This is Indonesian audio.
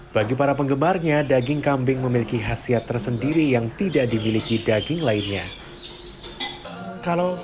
bagi para penggemarnya daging kambing memiliki khasiat tersendiri yang tidak dimiliki daging lainnya